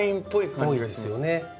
ぽいですよね。